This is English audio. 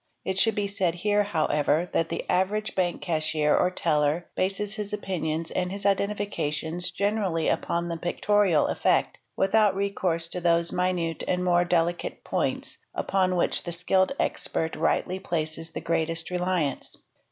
It should be said here, however, that the average bank cashier or teller bases his opinions and his identifications generally upon the pictorial effect, without: recourse to those minuter and more delicate points upon which the skilled expert rightly places the greatest reliance.